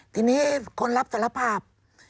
ทีนี้คนรับสารภาพ